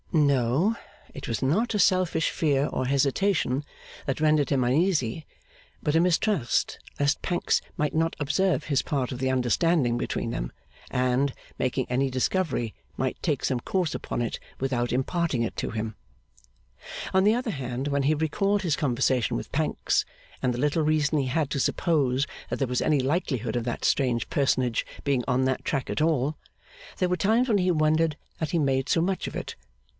No. It was not a selfish fear or hesitation that rendered him uneasy, but a mistrust lest Pancks might not observe his part of the understanding between them, and, making any discovery, might take some course upon it without imparting it to him. On the other hand, when he recalled his conversation with Pancks, and the little reason he had to suppose that there was any likelihood of that strange personage being on that track at all, there were times when he wondered that he made so much of it.